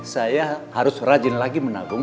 saya harus rajin lagi menabung